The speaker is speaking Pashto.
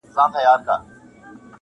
پر ګودر دي مېلمنې د بلا سترګي!!